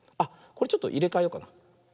これちょっといれかえようかな。